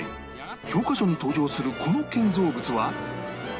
教科書に登場するこの建造物は？